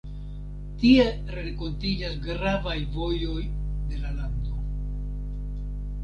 Tie renkontiĝas gravaj vojoj de la lando.